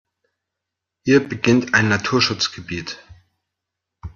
Hier beginnt ein Naturschutzgebiet.